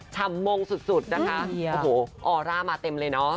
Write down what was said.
ฉ่ำมงสุดนะคะโอ้โหออร่ามาเต็มเลยเนอะ